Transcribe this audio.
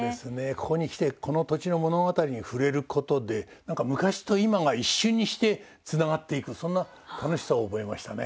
ここに来てこの土地の物語に触れることで何か昔と今が一瞬にしてつながっていくそんな楽しさを覚えましたね